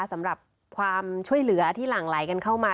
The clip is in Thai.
สำหรับความช่วยเหลือที่หลั่งไหลกันเข้ามา